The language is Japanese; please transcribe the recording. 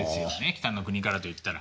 「北の国から」といったら。